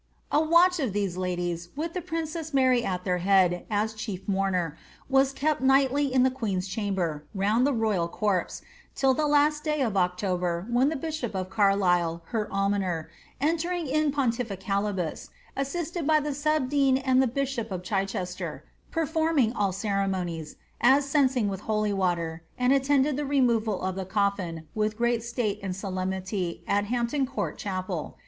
A watch of these ladies, with the princess Mary at their head as chief mourner, was kept nightly in the queen's chamber, round the royal corpse, till the last day of October, when the bishop of Carlisle, her almoner, entering in pontificalibus, assisted by the sub dean and the bishop of Chichester, performed all^ ceremonies, as censing with holy water, and attended the removal of the coffin, with great state and solemnity, to Hampton Court chapel.